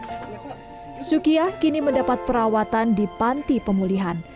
oya honorio yang sedang kini mendapat perawatan di panti pemulihan